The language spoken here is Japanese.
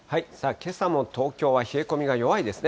けさも東京は冷え込みが弱いですね。